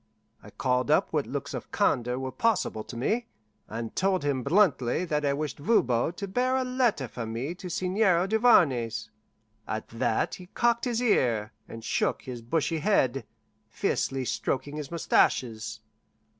I called up what looks of candour were possible to me, and told him bluntly that I wished Voban to bear a letter for me to the Seigneur Duvarney's. At that he cocked his ear and shook his bushy head, fiercely stroking his mustaches.